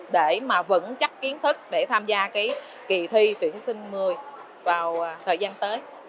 để mà vẫn chắc kiến thức để tham gia cái kỳ thi tuyển sinh một mươi vào thời gian tới